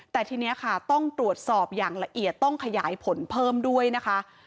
แต่ทีนี้ค่ะต้องตรวจสอบอย่างละเอียดต้องขยายผลเพิ่มด้วยนะคะ